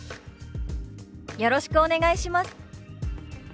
「よろしくお願いします」。